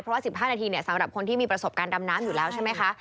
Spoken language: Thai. เพราะว่า๑๕นาทีสำหรับคนที่มีประสบการณ์ดำน้ำอยู่แล้วใช่ไหมคะ